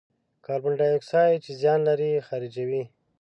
کاربن دای اکساید چې زیان لري، خارجوي.